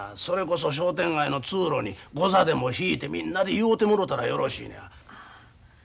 それこそ商店街の通路にゴザでも敷いてみんなで祝うてもろたらよろしいのや。